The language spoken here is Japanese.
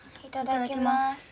いただきます。